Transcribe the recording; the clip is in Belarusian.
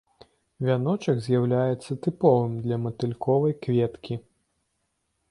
Вяночак з'яўляецца тыповым для матыльковай кветкі.